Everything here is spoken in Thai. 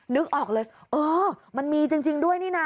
นึกออกเลยเออมันมีจริงด้วยนี่นะ